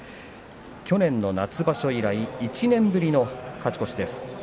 去年の夏場所以来１年ぶりの勝ち越しです。